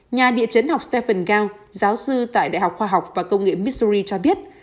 nhà địa chấn học stephen gao giáo sư tại đại học khoa học và công nghệ missouri cho biết